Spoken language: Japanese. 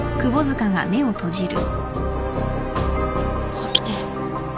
起きて。